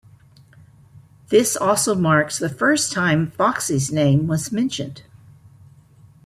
This also marks the first time Foxy's name was mentioned.